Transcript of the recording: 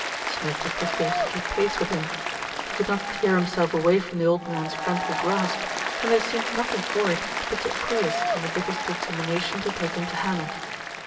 Smith had perforce to keep pace with him. He could not tear himself away from the old man's friendly grasp, and there seemed nothing for it but to acquiesce in the vicar's determination to take him to Hannah.